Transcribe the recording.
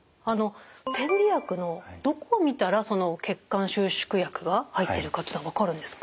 点鼻薬のどこを見たらその血管収縮薬が入ってるかというのは分かるんですか？